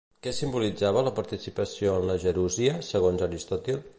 Què simbolitzava la participació en la gerúsia, segons Aristòtil?